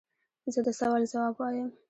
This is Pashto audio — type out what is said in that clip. زه د سوال ځواب وایم.